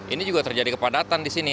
ini juga terjadi kepadatan di sini